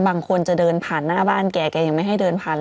บางคนจะเดินผ่านหน้าบ้านแกแกยังไม่ให้เดินผ่าน